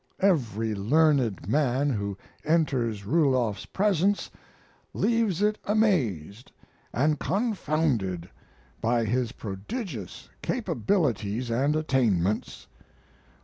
Every learned man who enters Ruloff's presence leaves it amazed and confounded by his prodigious capabilities and attainments.